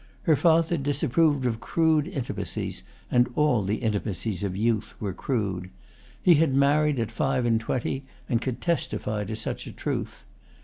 Her father disapproved of crude intimacies, and all the intimacies of youth were crude. He had married at five and twenty and could testify to such a truth.